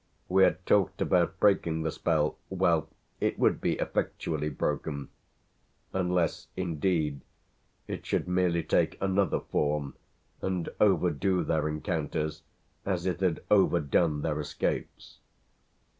We had talked about breaking the spell; well, it would be effectually broken unless indeed it should merely take another form and overdo their encounters as it had overdone their escapes.